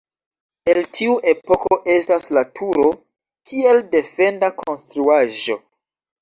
El tiu epoko estas la turo kiel defenda konstruaĵo.